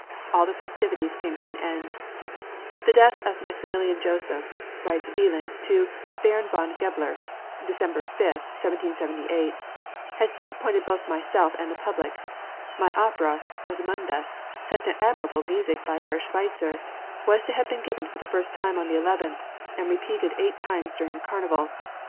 All the festivities came to an end. "The death of Maximilian Joseph," writes Wieland to Baron von Gebler (January 5, 1778), "has disappointed both myself and the public. My opera "Rosamunde," set to admirable music by Herr Schweitzer, was to have been given for the first time on the 11th, and repeated eight times during the carnival.